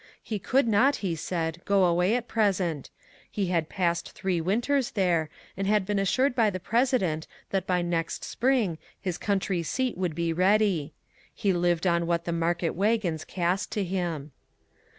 He could not, he said, go away at present ; he had passed three winters there and had been assured by the Presi dent that by next spring his country seat would be ready. He lived on what the market wagons cast to him.